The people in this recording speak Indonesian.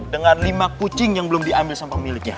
dengan lima kucing yang belum diambil sama pemiliknya